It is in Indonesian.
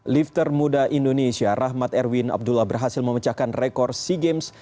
lifter muda indonesia rahmat erwin abdullah berhasil memecahkan rekor sea games